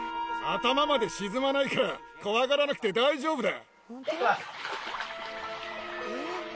頭まで沈まないから、怖がらなくて大丈夫だ。